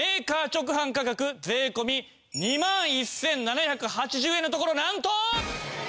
直販価格税込２万１７８０円のところなんと！